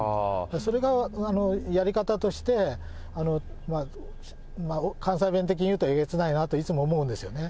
それがやり方として、関西弁的に言うと、えげつないなといつも思うんですよね。